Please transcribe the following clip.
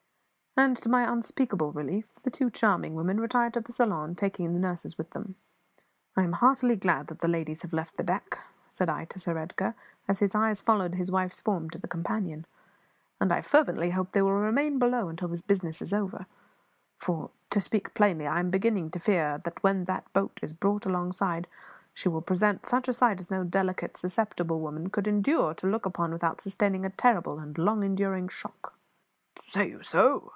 And, to my unspeakable relief, the two charming women retired to the saloon, taking the nurses with them. "I am heartily glad that the ladies have left the deck," said I to Sir Edgar, as his eyes followed his wife's form to the companion, "and I fervently hope that they will remain below until this business is over; for, to speak plainly, I am beginning to fear that when that boat is brought alongside she will present such a sight as no delicate, susceptible woman could endure to look upon without sustaining a terrible and long enduring shock." "Say you so?"